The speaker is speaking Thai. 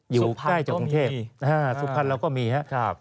อยู่ใกล้จากกรุงเทพสุพรรณเราก็มีครับ